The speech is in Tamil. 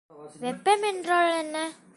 வெப்பம் என்றால் என்ன?